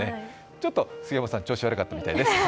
ちょっと杉山さん、調子悪かったみたいです。